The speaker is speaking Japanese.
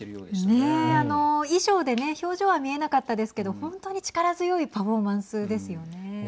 ね、あの衣装でね表情は見えなかったですけど本当に力強いパフォーマンスですよね。